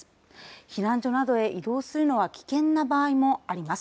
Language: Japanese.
避難所などに移動する場合は、危険な場合もあります。